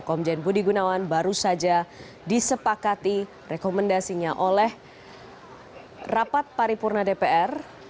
komjen budi gunawan baru saja disepakati rekomendasinya oleh rapat paripurna dpr